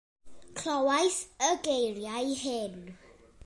Clywais y geiriau hyn.